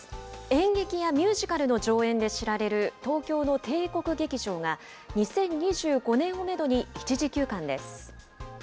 演劇やミュージカルの上演で知られる東京の帝国劇場が、２０２５年をメドに一時休館です。